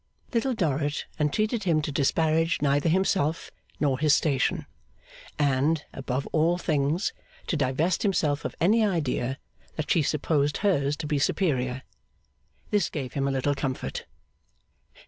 Little Dorrit entreated him to disparage neither himself nor his station, and, above all things, to divest himself of any idea that she supposed hers to be superior. This gave him a little comfort.